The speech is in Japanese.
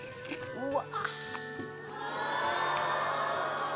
うわ！